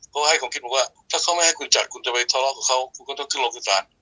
ก็ให้กลับคิดมาว่าถ้าเขาไม่ให้คุณจัดก็จะไปทะเลาะกับเขาก็ต้องขึ้นโลกขึ้นศาล